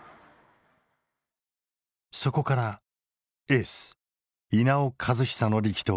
そこからエース稲尾和久の力投で４連勝。